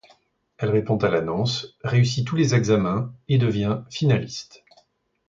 Elle répond à l'annonce, réussit tous les examens et devient finaliste.